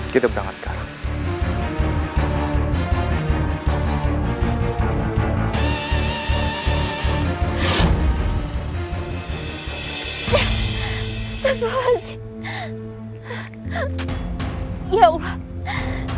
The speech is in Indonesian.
kita bisaouver bahkan sampai relatasi serba rata